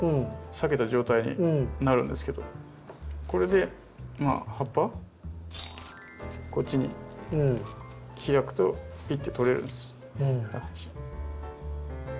割けた状態になるんですけどこれで葉っぱこっちに開くとぴって取れるんです。